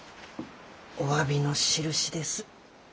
おわびのしるしです。